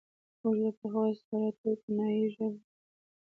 موږ له پخوا استعارتي او کنايي ژبه لاره.